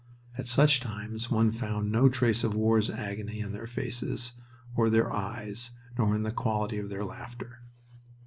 At such times one found no trace of war's agony in their faces or their eyes nor in the quality of their laughter.